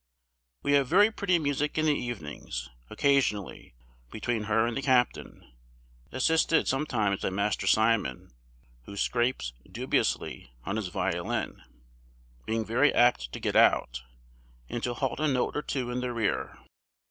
We have very pretty music in the evenings, occasionally, between her and the captain, assisted sometimes by Master Simon, who scrapes, dubiously, on his violin; being very apt to get out, and to halt a note or two in the rear.